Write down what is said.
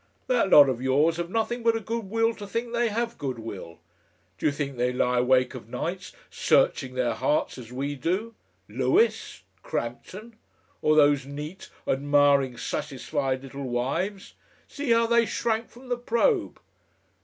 That lot of yours have nothing but a good will to think they have good will. Do you think they lie awake of nights searching their hearts as we do? Lewis? Crampton? Or those neat, admiring, satisfied little wives? See how they shrank from the probe!"